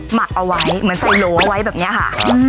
หมักเอาไว้เหมือนใส่โหลเอาไว้แบบนี้ค่ะ